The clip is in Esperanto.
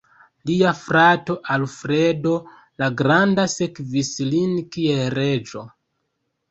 Lia frato Alfredo la Granda sekvis lin kiel reĝo.